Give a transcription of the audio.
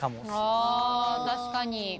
あ確かに。